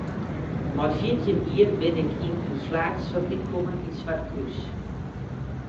Mei fjirtjin jier bin ik yn in flaaksfabryk kommen yn Swartkrús.